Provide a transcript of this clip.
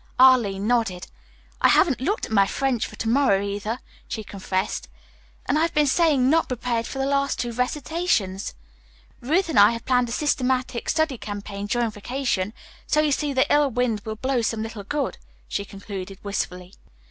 Arline nodded. "I haven't looked at my French for to morrow, either," she confessed, "and I've been saying 'not prepared' for the last two recitations. Ruth and I have planned a systematic study campaign during vacation, so you see the ill wind will blow some little good," she concluded wistfully.